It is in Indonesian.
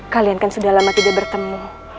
kalian kan sudah lama tidak bertemu